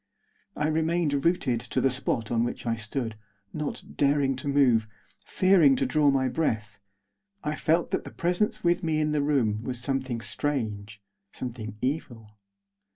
I remained rooted to the spot on which I stood, not daring to move, fearing to draw my breath. I felt that the presence with me in the room was something strange, something evil.